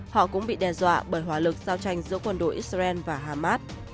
họ cũng bị đe dọa bởi hỏa lực giao tranh giữa quân đội israel và hamas